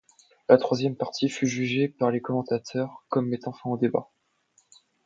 La troisième partie fut jugée par les commentateurs comme mettant fin au débat.